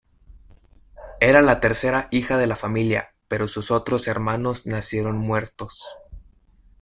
Era la tercera hija de la familia, pero sus otros hermanos nacieron muertos.